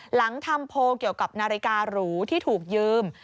หลังทำโพลเกี่ยวกับนาฬิการูที่ถูกยืม